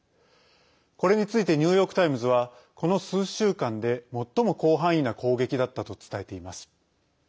これについてニューヨーク・タイムズはこの数週間で最も広範囲な攻撃だったと伝えています。